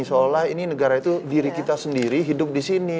seolah ini negara itu diri kita sendiri hidup di sini